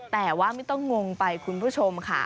แต่ว่าไม่ต้องงงไปคุณผู้ชมค่ะ